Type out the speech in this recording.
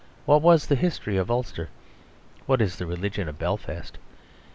What was the history of Ulster? What is the religion of Belfast?